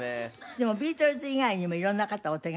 でもビートルズ以外にも色んな方を手掛けたって？